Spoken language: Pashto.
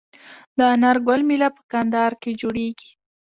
د انار ګل میله په کندهار کې جوړیږي.